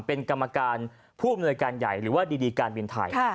เป็นกรรมการผู้อำนวยการใหญ่หรือว่าดีการบินไทย